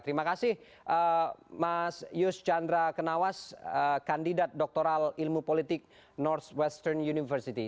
terima kasih mas yus chandra kenawas kandidat doktoral ilmu politik north western university